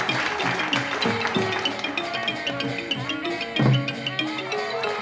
อ่าอ่าอ่า